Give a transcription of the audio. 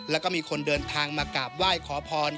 แล้วก็มีคนเดินทางมากราบไหว้ขอพร